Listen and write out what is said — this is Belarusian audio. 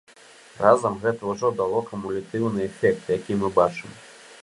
Разам гэта ўсё дало кумулятыўны эфект, які мы бачым.